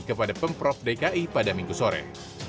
kepada pemprov dki pada minggu sore